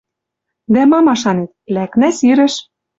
Дӓ ма машанет? Лӓкнӓ сирӹш.